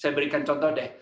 saya berikan contoh deh